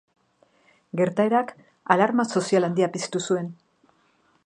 Gertaerak alarma sozial handia piztu zuen.